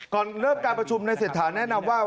ก่อนเริ่มการประชุมในเศรษฐาแนะนำว่า